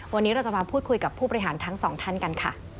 วันนี้เราจะมาพูดคุยกับผู้บริหารทั้งสองท่านกันค่ะ